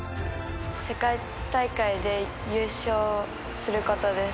世界大会で優勝することです。